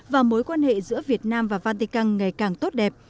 và mối quan hệ giữa việt nam và văn tị căng ngày càng tốt đẹp